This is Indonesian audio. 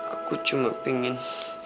aku cuma pengen